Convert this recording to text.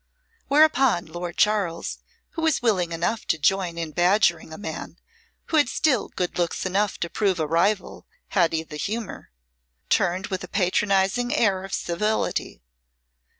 Whereupon Lord Charles, who was willing enough to join in badgering a man who had still good looks enough to prove a rival had he the humour, turned with a patronising air of civility.